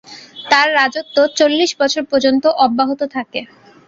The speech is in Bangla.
তাঁর রাজত্ব চল্লিশ বছর পর্যন্ত অব্যাহত থাকে।